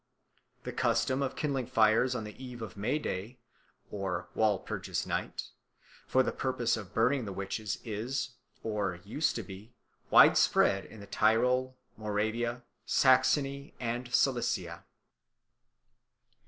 The custom of kindling fires on the eve of May Day (Walpurgis Night) for the purpose of burning the witches is, or used to be, widespread in the Tyrol, Moravia, Saxony and Silesia.